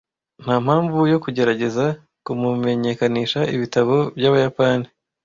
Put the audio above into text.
Ntampamvu yo kugerageza kumumenyekanisha ibitabo byabayapani.